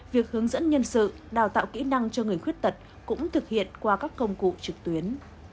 việc hướng dẫn nhân sự đào tạo kỹ năng cho người khuyết tật cũng thực hiện qua các công cụ trực tuyến